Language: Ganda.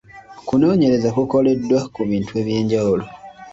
Okunoonyereza kukoleddwa ku bintu eby’enjawulo.